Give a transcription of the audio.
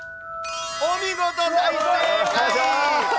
お見事、大正解。